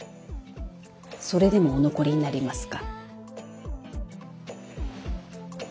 それでもお残りになりますか？